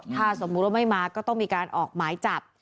ถ้าสมมุติว่าไม่มาก็ต้องมีการออกหมายจับ